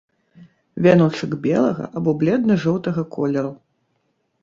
Вяночак белага або бледна-жоўтага колеру.